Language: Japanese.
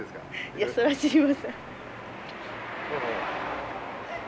いやそれは知りません。